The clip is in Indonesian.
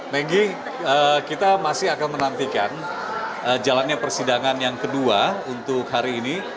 maggie kita masih akan menantikan jalannya persidangan yang kedua untuk hari ini